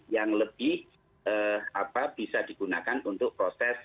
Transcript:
yang lebih bisa digunakan untuk membuat kompetensi